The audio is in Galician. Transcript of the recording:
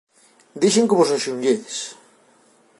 Dixen que vos axeonlledes.